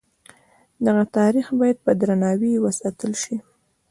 دغه تاریخ باید په درناوي وساتل شي.